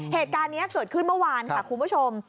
เหตุการณ์นี้เกิดขึ้นเมื่อวานค่ะคุณผู้ชม